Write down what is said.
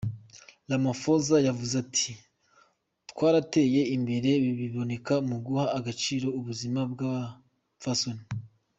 Ramaphosa yavuze ati:"Twarateye imbere biboneka mu guha agaciro ubuzima bw'abapfasoni.